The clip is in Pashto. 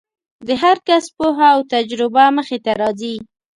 د هر کس پوهه او تجربه مخې ته راځي.